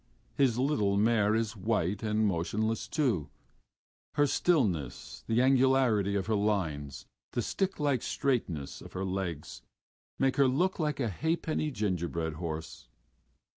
His little mare is white and motionless too. Her stillness, the angularity of her lines, and the stick like straightness of her legs make her look like a halfpenny gingerbread horse.